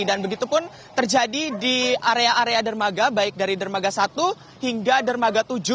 dan begitu pun terjadi di area area dermaga baik dari dermaga satu hingga dermaga tujuh